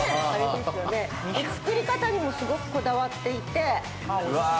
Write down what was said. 作り方にもすごくこだわっていて。